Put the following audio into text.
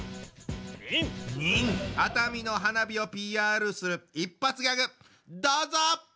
熱海の花火をＰＲする一発ギャグどうぞ！